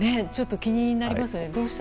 ちょっと気になりますよね。